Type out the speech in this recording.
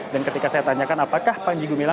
dan ketika saya tanyakan apakah panji gumilang